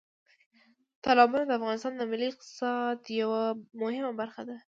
تالابونه د افغانستان د ملي اقتصاد یوه مهمه برخه ده.